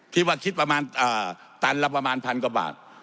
ที่ว่าคิดประมาณตันละประมาณพันกว่าบาท